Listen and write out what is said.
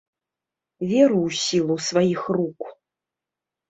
Веру ў сілу сваіх рук.